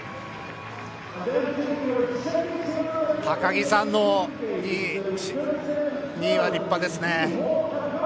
高木さんの２位は立派ですね。